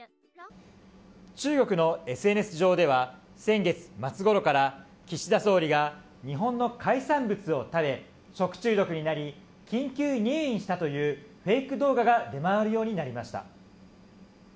中国のＳＮＳ上では先月末ごろから岸田総理が日本の海産物を食べ食中毒になり緊急入院したというフェイク動画が出回るようになりました。